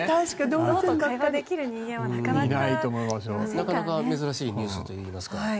なかなか珍しいニュースといいますか。